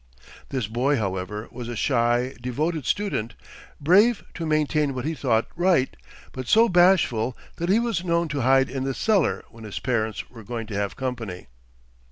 This boy, however, was a shy, devoted student, brave to maintain what he thought right, but so bashful that he was known to hide in the cellar when his parents were going to have company.